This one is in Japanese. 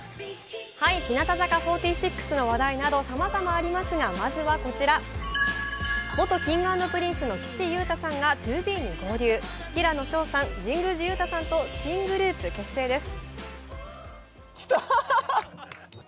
日向坂４６の話題などさまざまありますがまずはこちら、元Ｋｉｎｇ＆Ｐｒｉｎｃｅの岸優太さんがＴＯＢＥに合流、平野紫耀さん、神宮寺勇太さんと新グループ結成です。